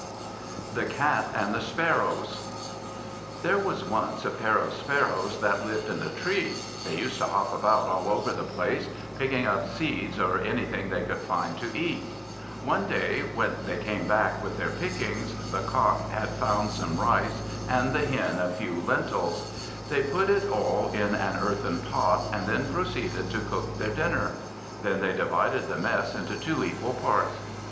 The Cat and the Sparrows THERE was once a pair of Sparrows that lived in a tree. They used to hop about all over the place, picking up seeds or anything they could find to eat. One day, when they came back with their pickings, the Cock had found some rice, and the Hen a few lentils. They put it all in an earthen pot, and then proceeded to cook their dinner. Then they divided the mess into two equal parts.